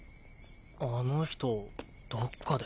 あの人どっかで。